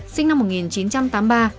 sinh năm một nghìn chín trăm tám mươi ba